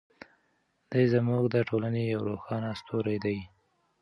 دی زموږ د ټولنې یو روښانه ستوری دی.